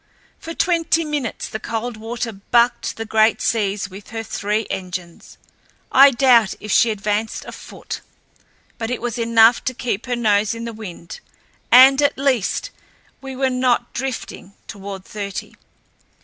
For twenty minutes the Coldwater bucked the great seas with her three engines. I doubt if she advanced a foot; but it was enough to keep her nose in the wind, and, at least, we were not drifting toward thirty.